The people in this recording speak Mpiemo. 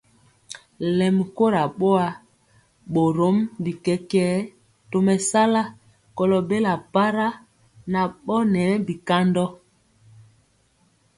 Lɛmi kora boa, borom bi kɛkɛɛ tomesala kolo bela para nan bɔnɛɛ bikandɔ.